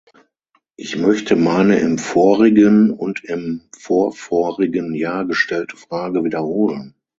Ich möchte meine im vorigen und im vorvorigen Jahr gestellte Frage wiederholen.